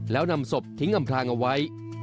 แล้วนำศพทิ้งอำพลางเอาไว้